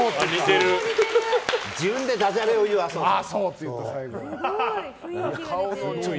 自分でダジャレを言う麻生さん。